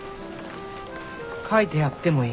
書いてやってもいい。